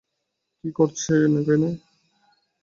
কী করছেন এখানে?